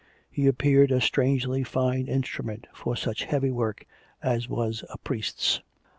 He appeared a strangely fine instrument for such heavy work as was a priest's.